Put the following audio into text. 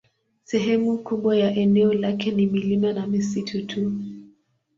Sehemu kubwa ya eneo lake ni milima na misitu tu.